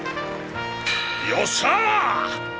よっしゃ！